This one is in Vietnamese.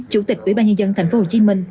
chủ tịch ubnd tp hcm